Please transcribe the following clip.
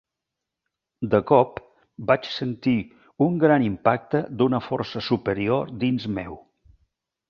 De cop, vaig sentir un gran impacte d'una força superior dins meu.